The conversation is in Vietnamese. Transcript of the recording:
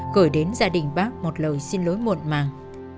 gửi đến gia đình bác một lời xin lỗi muộn màng